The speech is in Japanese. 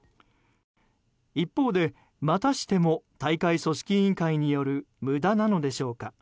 一方で、またしても大会組織委員会による無駄なのでしょうか。